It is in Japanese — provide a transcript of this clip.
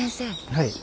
はい。